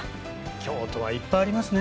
京都はいっぱいありますね。